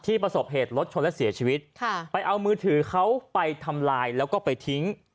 ประสบเหตุรถชนและเสียชีวิตค่ะไปเอามือถือเขาไปทำลายแล้วก็ไปทิ้ง